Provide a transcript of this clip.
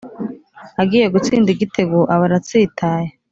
agiye gutsinda igitego aba aratsitaye.